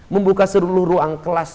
membuka seluruh ruang kelas